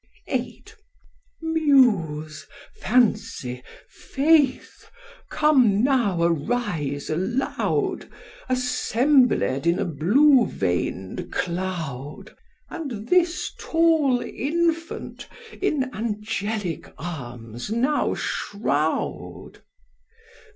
VIII. Muse! Fancy! Faith! come now arise aloud, Assembled in a blue vein'd cloud, And this tall infant in angelic arms now shroud.